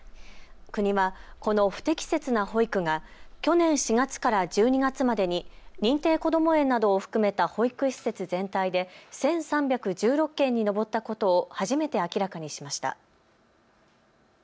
国はこの不適切な保育が去年４月から１２月までに認定こども園などを含めた保育施設全体で１３１６件に上ったことを初めて明らかにしました。